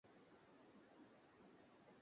কাজেই আপনি এখনই এই শহর থেকে বের হয়ে পড়ুন।